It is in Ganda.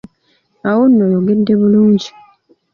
Awo nno oyogedde bulungi.